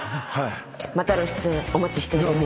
またの出演お待ちしております。